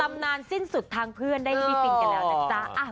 นานสิ้นสุดทางเพื่อนได้ฟินกันแล้วนะจ๊ะ